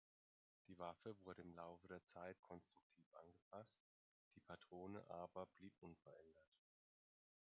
Die Waffe wurde im Laufe der Zeit konstruktiv angepasst, die Patrone aber blieb unverändert.